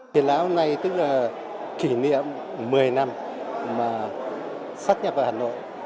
triển lãm hôm nay tức là kỷ niệm một mươi năm mà sắp nhập vào hà nội